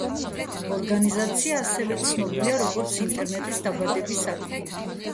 ორგანიზაცია ასევე ცნობილია, როგორც ინტერნეტის დაბადების ადგილი.